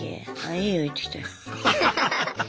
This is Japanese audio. いいよ行ってきて。